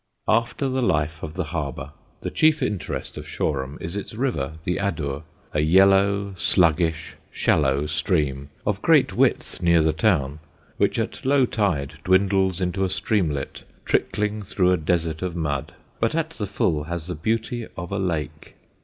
After the life of the harbour, the chief interest of Shoreham is its river, the Adur, a yellow, sluggish, shallow stream, of great width near the town, which at low tide dwindles into a streamlet trickling through a desert of mud, but at the full has the beauty of a lake.